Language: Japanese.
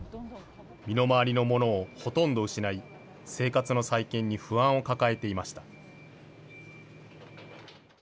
身の回りのものをほとんど失い、生活の再建に不安を抱えていました。